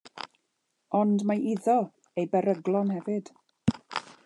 Ond mae iddo ei beryglon hefyd.